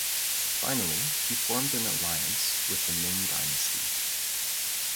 Finally, he formed an alliance with the Ming Dynasty.